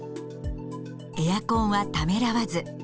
エアコンはためらわず。